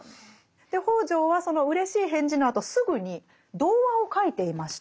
北條はそのうれしい返事のあとすぐに童話を書いていまして。